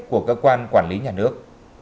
của cơ quan quản lý nhà nước